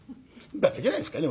バカじゃないですかね